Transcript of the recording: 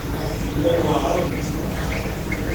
Llan weɛṛen.